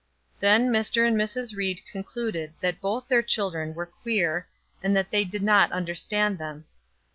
Then Mr. and Mrs. Ried concluded that both their children were queer, and that they did not understand them.